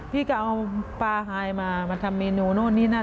พี่ก็เอาปลาไฮมามาทำเมนูโน่นนี่นั่น